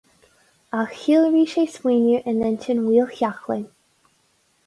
Ach shíolraigh sé smaoineamh in intinn Mhaolsheachlainn.